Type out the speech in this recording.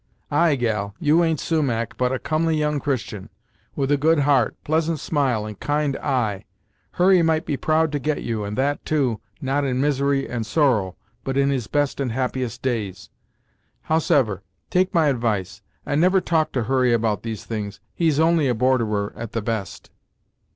"Ay, gal, you ain't Sumach, but a comely young Christian, with a good heart, pleasant smile, and kind eye. Hurry might be proud to get you, and that, too, not in misery and sorrow, but in his best and happiest days. Howsever, take my advice, and never talk to Hurry about these things; he's only a borderer, at the best."